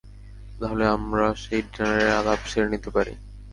তাহলে আমরা সেই ডিনারের আলাপ সেরে নিতে পারি।